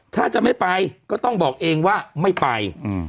ถ้าจะไม่ไปก็ต้องบอกเองว่าไม่ไป